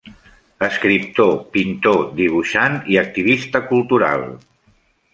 Escriptor, pintor, dibuixant i activista cultural.